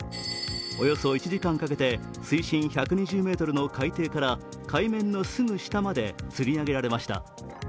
およそ１時間かけて水深１２０ｍの海底から海面のすぐ下までつり上げられました。